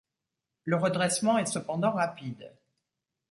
Le redressement est cependant rapide.